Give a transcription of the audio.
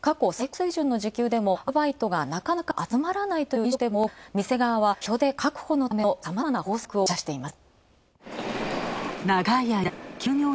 過去最高水準の時給でも、アルバイトがなかなかあつまらないという飲食店も多く、店側は人で確保のためのさまざまな方策を打ち出しています。